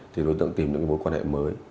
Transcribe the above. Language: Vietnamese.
thì đối tượng tìm được mối quan hệ mới